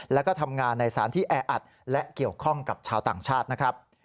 แล้วก็ทำงานในสารที่แออัดและเกี่ยวข้องกับชาวต่างชาตินะครับ